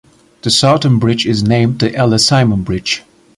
The southern bridge is named "The Ella Simon Bridge".